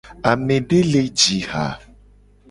Amede le ji ha.